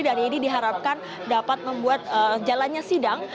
dan ini diharapkan dapat membuat jalannya sidang